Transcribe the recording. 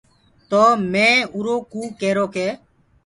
تو مينٚ اُرو ڪوُ ڪيرو ڪي